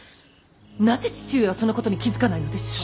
なぜ父上はそのことに気付かないのでしょう。